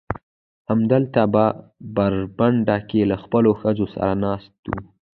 همدلته په برنډه کې له خپلو ښځو سره ناست و.